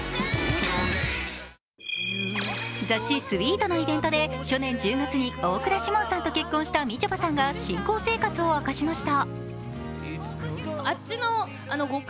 雑誌「ｓｗｅｅｔ」のイベントで去年１１月に大倉士門さんと結婚したみちょぱさんが新婚生活を明かしました。